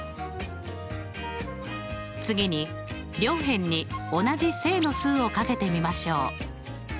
次に両辺に同じ正の数を掛けてみましょう。